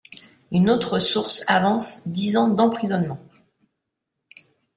Une autre source avance dix ans d'emprisonnement.